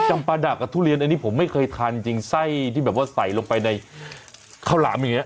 จำปลาดะกับทุเรียนอันนี้ผมไม่เคยทานจริงไส้ที่แบบว่าใส่ลงไปในข้าวหลามอย่างนี้